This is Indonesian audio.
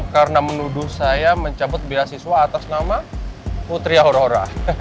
karena menuduh saya mencabut beasiswa atas nama putri aurora